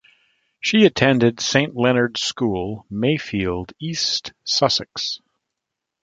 She attended Saint Leonard's School, Mayfield, East Sussex.